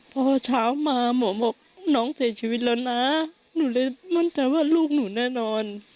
พอเช้ามาหมอบอกน้องเสียชีวิตแล้วนะหนูเลยมั่นใจว่าลูกหนูแน่นอน